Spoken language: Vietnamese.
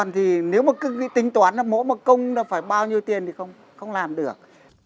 nếu mà cứ tính toán là mỗi công là phải bao nhiêu tiền thì không làm được